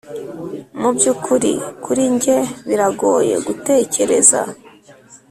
mubyukuri, kuri njye biragoye gutekereza,